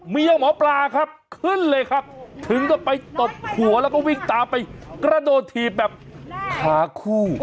เมียหมอปลาครับขึ้นเลยครับถึงกับไปตบหัวแล้วก็วิ่งตามไปกระโดดถีบแบบขาคู่